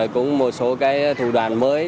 cũng một số thủ đoàn mới